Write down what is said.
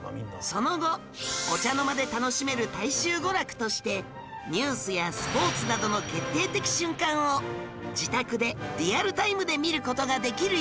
その後お茶の間で楽しめる大衆娯楽としてニュースやスポーツなどの決定的瞬間を自宅でリアルタイムで見る事ができるように